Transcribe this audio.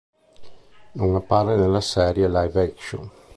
Non appare nella serie live-action.